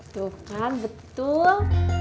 tuh kan betul